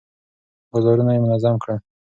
بازارونه يې منظم کړل.